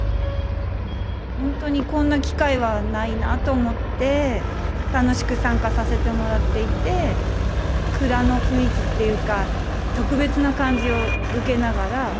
ホントにこんな機会はないなと思って楽しく参加させてもらっていて蔵の雰囲気っていうか特別な感じを受けながらやっております。